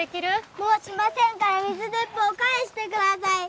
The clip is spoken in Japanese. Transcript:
もうしませんから水鉄砲返してください。